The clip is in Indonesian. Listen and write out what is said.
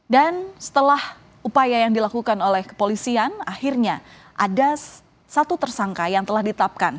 dan setelah upaya yang dilakukan oleh kepolisian akhirnya ada satu tersangka yang telah ditapkan